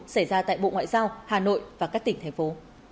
xảy ra tại bộ ngoại giao hà nội và các tỉnh thành phố